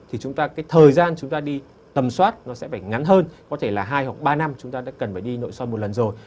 thì thời gian chúng ta đi tầm soát sẽ phải ngắn hơn có thể là hai hoặc ba năm chúng ta đã cần phải đi nội soi một lần rồi